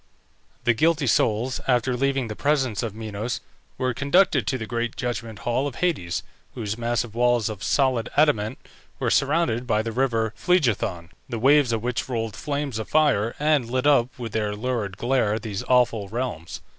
The guilty souls, after leaving the presence of Minos, were conducted to the great judgment hall of Hades, whose massive walls of solid adamant were surrounded by the river Phlegethon, the waves of which rolled flames of fire, and lit up, with their lurid glare, these awful realms.